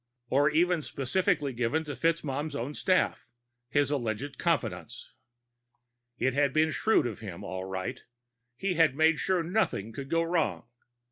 or even specifically given to FitzMaugham's own staff, his alleged confidants. It had been shrewd of him, all right. He had made sure nothing could go wrong.